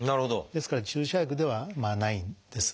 ですから注射薬ではないんです。